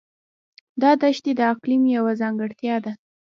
دا دښتې د اقلیم یوه ځانګړتیا ده.